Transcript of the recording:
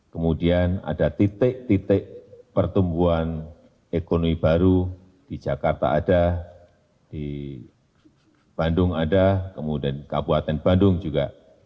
kemudian ada titik titik pertumbuhan ekonomi baru di jakarta ada di bandung ada kemudian kabupaten bandung juga